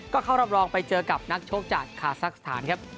ก็เข้ารอบรองไปเจอกับนักโชคจากคาทาซาน่าครับ